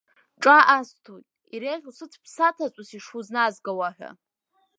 Ҿа асҭоит, иреиӷьу сыцә ԥсаҭатәыс ишузназгауа ҳәа.